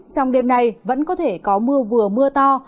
trong đêm nay vẫn có thể có mưa vừa mưa to